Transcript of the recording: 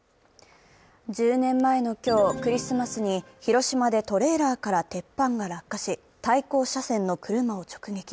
１０年前の今日、クリスマスに広島でトレーラーから鉄板が落下し、対向車線の車を直撃。